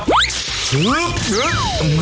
พี่ฟุน